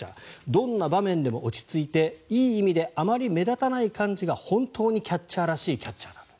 どんな場面でも落ち着いていい意味であまり目立たない感じが本当にキャッチャーらしいキャッチャーだと。